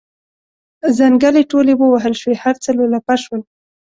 ځنګلې ټولې ووهل شوې هر څه لولپه شول.